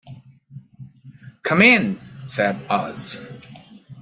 "Come in," said Oz.